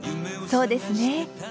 そうですね。